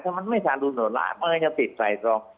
ถ้ามันไม่ทารุณโหดร้ายมันก็ยังติดใส่จอง